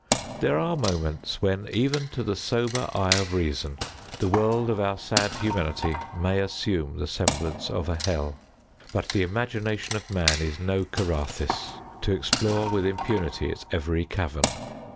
There are moments when, even to the sober eye of Reason, the world of our sad Humanity may assume the semblance of a Hell—but the imagination of man is no Carathis, to explore with impunity its every cavern.